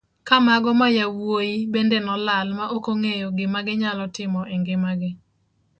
Ka mago mayawuoyi bende nolal ma okong'eyo gima ginyalo timo e ngima gi.